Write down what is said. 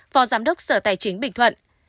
phò giám đốc sở tài chính bình thuận